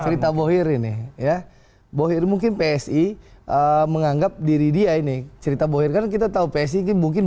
cerita bohir ini ya bohir mungkin psi menganggap diri dia ini cerita bohir kan kita tahu psi mungkin